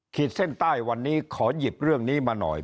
เส้นใต้วันนี้ขอหยิบเรื่องนี้มาหน่อย